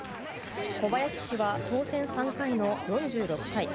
小林氏は当選３回の４６歳。